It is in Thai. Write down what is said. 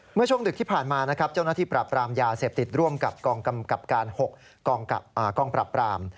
เมื่อช่วงดึกที่ผ่านมานะครับเจ้าหน้าที่ปราบรามยาเสพติดร่วมกับกองกำกับการ๖กองปราบปราม